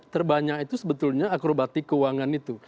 terbanyak itu sebetulnya akrobatik keuangan itu